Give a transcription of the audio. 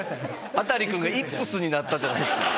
中君がイップスになったじゃないですか。